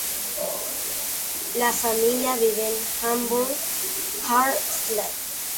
La familia vive en Hamburg-Rahlsedt.